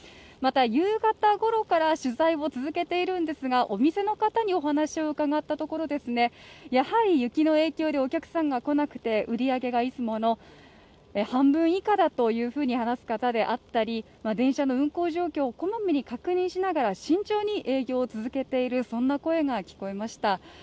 また夕方ごろから取材を続けているんですがお店の方にお話を伺ったところ、やはり雪の影響でお客さんが来なくて、売り上げがいつもの半分以下だというふうに話す方であったり電車の運行状況をこまめに確認しながら慎重に営業を続けている、そんな声が聞かれました。